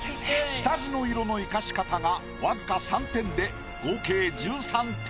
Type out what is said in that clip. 下地の色の生かし方が僅か３点で合計１３点。